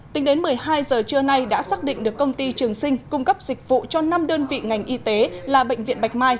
tính đến một mươi hai giờ trưa nay đã xác định được công ty trường sinh cung cấp dịch vụ cho năm đơn vị ngành y tế là bệnh viện bạch mai